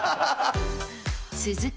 続く